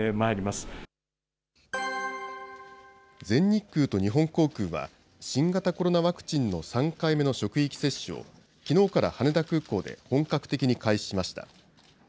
全日空と日本航空は、新型コロナワクチンの３回目の職域接種を、きのうから羽田空港で本格的に開始しました。